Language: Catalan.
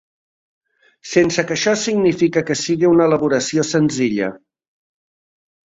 Sense que això signifique que siga una elaboració senzilla.